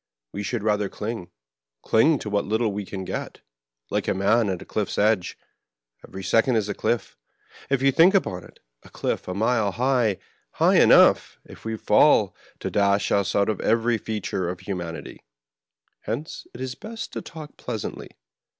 We should rather cling, cling to what little we can get, like a man at a cliff's edge. Every second is a cliff, if you think upon it — a cliff a mile high — ^high enough, if we fall, to dash us out of every feature of himianity. Hence it is best to talk pleasantly.